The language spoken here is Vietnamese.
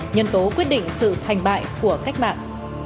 nhân tố quyết định sự thành bại của cách mạng